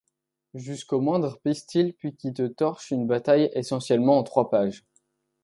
jusqu'au moindre pistil puis qui te torche une bataille essentielle en trois pages.